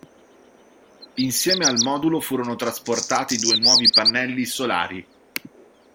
Insieme al modulo furono trasportati due nuovi pannelli solari.